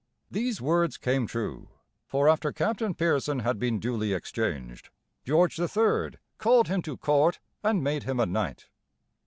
These words came true, for after Captain Pearson had been duly exchanged, George III. called him to court and made him a knight.